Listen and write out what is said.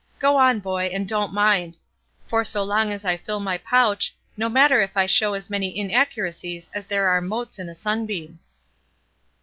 Go on, boy, and don't mind; for so long as I fill my pouch, no matter if I show as many inaccuracies as there are motes in a sunbeam."